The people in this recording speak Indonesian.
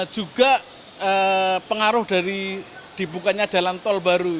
juga pengaruh dari dibukanya jalan tol baru